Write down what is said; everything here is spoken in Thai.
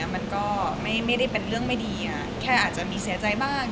มันก็ไม่ได้เป็นเรื่องไม่ดีแค่อาจจะมีเสียใจบ้าง